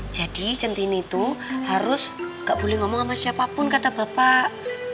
jadi centini tuh harus ga boleh ngomong sama siapapun kata bapak